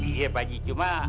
iya pak ji cuma